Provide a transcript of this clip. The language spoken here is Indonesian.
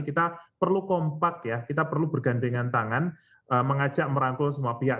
kita perlu kompak ya kita perlu bergandengan tangan mengajak merangkul semua pihak